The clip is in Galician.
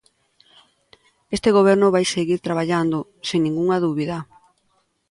Este goberno vai seguir traballando, sen ningunha dúbida.